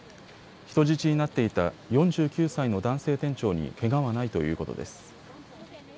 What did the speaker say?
人質になっていた４９歳の男性店長にけがはないということです。